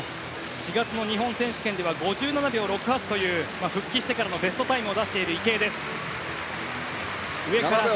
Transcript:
４月の日本選手権では復帰してからのベストタイムを出している池江です。